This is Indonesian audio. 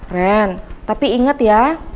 ren tapi inget ya